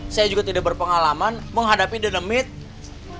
saya juga tidak berpengalaman menghadapi the the myth